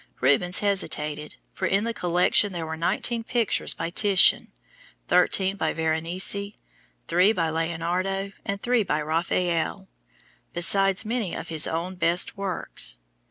Rubens hesitated, for in the collection there were nineteen pictures by Titian, thirteen by Veronese, three by Leonardo, and three by Raphael, besides many of his own best works.